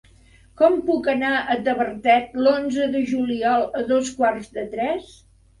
Com puc anar a Tavertet l'onze de juliol a dos quarts de tres?